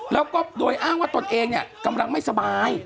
แล้วก็โดยอ้างว่าตนเองกำลังไม่สบาย